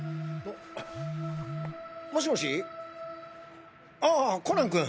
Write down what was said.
もしもしああコナン君。